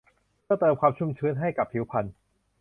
เพื่อเติมความชุ่มชื้นให้กับผิวพรรณ